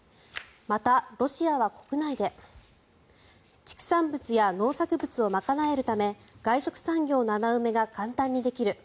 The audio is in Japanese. また、ロシアは国内で畜産物や農作物を賄えるため外食産業の穴埋めが簡単にできる。